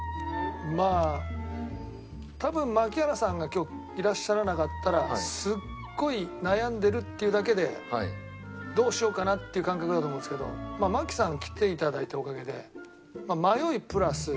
まあ多分槙原さんが今日いらっしゃらなかったらすっごい悩んでるっていうだけでどうしようかなっていう感覚だと思うんですけどマキさん来て頂いたおかげで。